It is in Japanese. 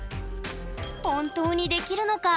本当にできるのか。